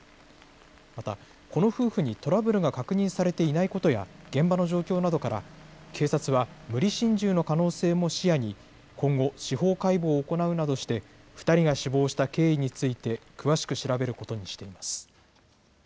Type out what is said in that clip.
また、この夫婦にトラブルが確認されていないことや、現場の状況などから、警察は無理心中の可能性も視野に、今後、司法解剖を行うなどして、２人が死亡した経緯について、詳しく調べることにしています。